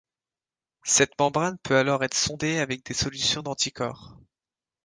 Cette membrane peut alors être sondée avec des solutions d'anticorps.